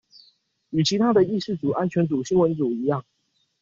與其他的議事組安全組新聞組一樣